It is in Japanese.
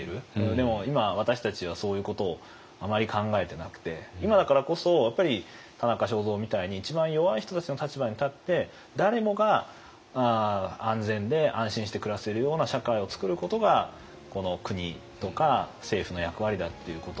でも今私たちはそういうことをあまり考えてなくて今だからこそやっぱり田中正造みたいに一番弱い人たちの立場に立って誰もが安全で安心して暮らせるような社会をつくることがこの国とか政府の役割だっていうことつまり人権の思想ですよね。